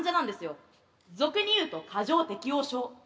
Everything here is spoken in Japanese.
俗に言うと過剰適応症。